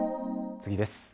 次です。